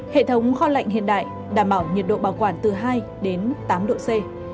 hệ thống kho lạnh hiện đại đảm bảo nhiệt độ bảo quản từ hai đến tám độ c